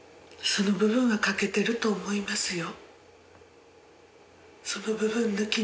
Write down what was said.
その部分は欠けてると思いますよ。